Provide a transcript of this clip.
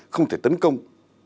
không thể tấn công